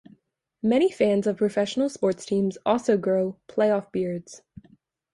Many fans of professional sports teams also grow playoff beards.